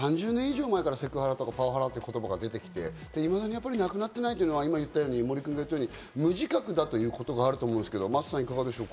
これ３０年以上前からセクハラとかパワハラとかいう言葉が出てきて、なくなっていないというのは森君が言ったように、無自覚だということがあると思うんですけど、真麻さん。